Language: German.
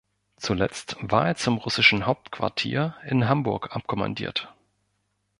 Zuletzt war er zum russischen Hauptquartier in Hamburg abkommandiert.